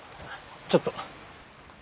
ちょっと。